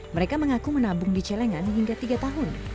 mereka mengaku menabung di celengan hingga tiga tahun